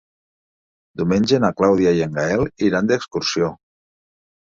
Diumenge na Clàudia i en Gaël iran d'excursió.